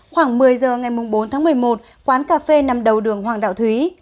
khoảng một mươi giờ ngày bốn tháng một mươi một quán cà phê nằm đầu đường hoàng đạo thúy